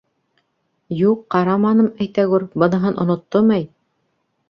— Юҡ, ҡараманым, әйтәгүр, быныһын оноттом, әй!